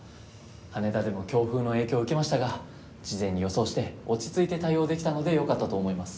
羽田でも強風の影響を受けましたが事前に予想して落ち着いて対応できたのでよかったと思います。